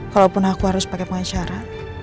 kalaupun aku harus pakai pengacara